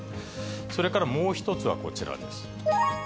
それからもう１つはこちらです。